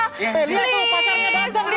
eh lihat tuh pacarnya banteng tuh